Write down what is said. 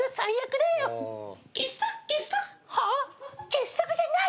傑作じゃない！